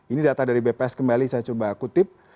ini data dari bps kembali saya coba kutip